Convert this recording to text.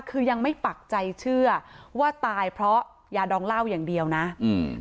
คือยังไม่ปักใจเชื่อว่าตายเพราะยาดองเหล้าอย่างเดียวนะอืม